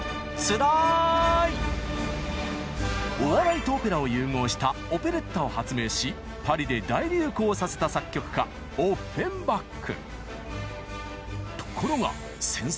お笑いとオペラを融合した「オペレッタ」を発明しパリで大流行させた作曲家オッフェンバック。